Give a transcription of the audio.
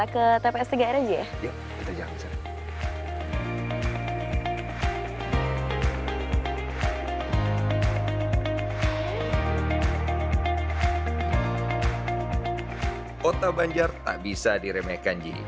kota banjar tak bisa diremehkan ji